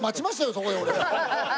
そこで俺。